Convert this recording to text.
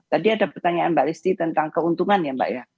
tadi ada pertanyaan mbak listi tentang keuntungan ya mbak ya